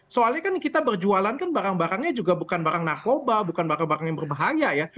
soalnya kan kita berjualan kan barang barangnya juga bukan barang narkoba bukan barang barang yang berbahaya ya